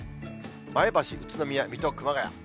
前橋、宇都宮、水戸、熊谷。